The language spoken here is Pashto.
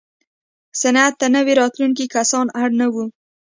صنعت ته نوي راتلونکي کسان اړ نه وو.